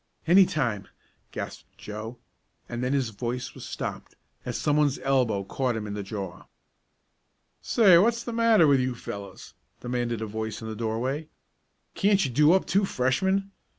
"Any time," gasped Joe, and then his voice was stopped as someone's elbow caught him in the jaw. "Say, what's the matter with you fellows?" demanded a voice in the doorway. "Can't you do up two Freshmen?